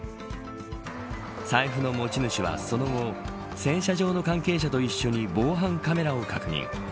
財布の持ち主はその後洗車場の関係者と一緒に防犯カメラを確認。